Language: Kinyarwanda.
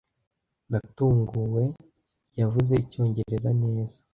Natunguwe, yavuze icyongereza neza.